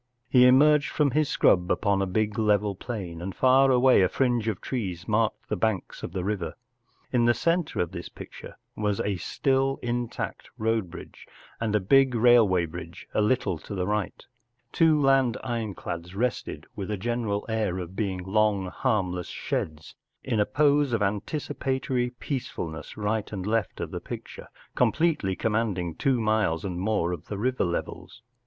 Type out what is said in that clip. He emerged from his scrub upon a big level plain, and far away a fringe of trees marked the banks of the river. In the centre of the picture was a still intact road bridge* and a big railway bridge a little to the right Two land ironclads Digitized by viOOQ 1C rested, with a general air of being long, harm¬ less sheds, in a pose of anticipatory peaceful¬ ness right and left of the picture, completely commanding two miles and more of the river levels.